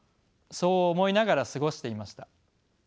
そう思いながら過ごしていました。